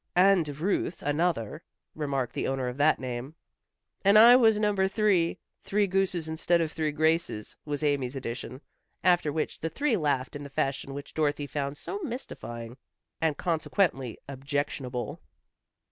"And Ruth, another," remarked the owner of that name. "And I was Number Three. Three gooses instead of three graces," was Amy's addition, after which the three laughed in the fashion which Dorothy found so mystifying, and consequently objectionable.